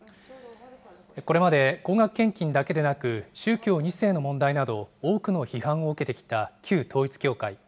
これまで高額献金だけでなく、宗教２世の問題など多くの批判を受けてきた旧統一教会。